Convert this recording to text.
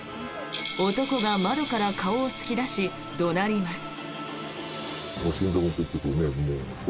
男が窓から顔を突き出し怒鳴ります。